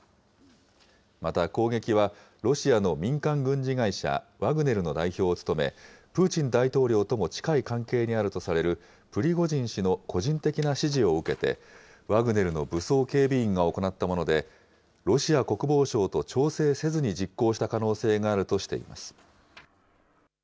また攻撃は、ロシアの民間軍事会社、ワグネルの代表を務め、プーチン大統領とも近い関係にあるとされる、プリゴジン氏の個人的な指示を受けて、ワグネルの武装警備員が行ったもので、ロシア国防省と調整せずに実行した可能性があるとしています。